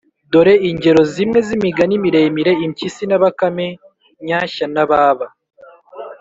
Dore ingero zimwe z’imigani miremire :impyisi na bakame, nyashya na baba